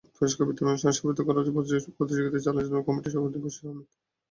পুরস্কার বিতরণী অনুষ্ঠানে সভাপতিত্ব করেন প্রতিযোগিতা পরিচালনা কমিটির সভাপতি বশির আহমেদ।